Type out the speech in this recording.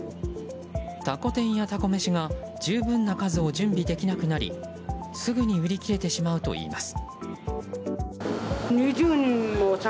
たこ天やたこ飯が十分な数を準備できなくなりすぐに売り切れてしまうといいます。